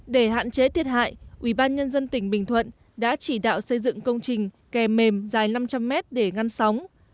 để hạn chế thiệt hại ubnd tỉnh bình thuận đã chỉ đạo xây dựng công trình kè mềm dài năm trăm linh mét để ngăn sóng